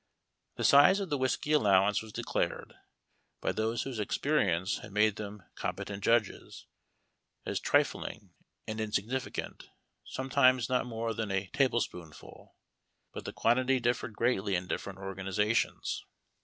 The size of the whiskey allowance was declared, by those whose experience had made them competent judges, as trifling and insignificant, sometimes not more than a table spoonful ; but the quantity differed greatly in different organizations.